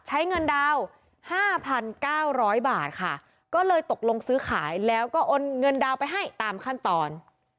ใช้เงินดาวน์ห้าพันเก้าร้อยบาทค่ะก็เลยตกลงซื้อขายแล้วก็โอนเงินดาวน์ไปให้ตามขั้นตอน